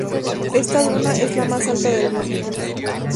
Esta duna es la más alta del mundo.